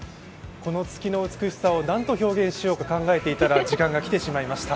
この月の美しさをなんと表現しようか考えていたら時間がきてしまいました。